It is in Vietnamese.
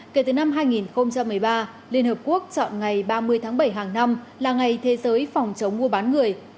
kể từ năm hai nghìn một mươi ba liên hợp quốc chọn ngày ba mươi tháng bảy hàng năm là ngày thế giới phòng chống mua bán người